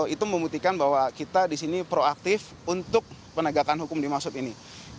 itu membuktikan bahwa kita di sini proaktif untuk penegakan hukum dimaksud ini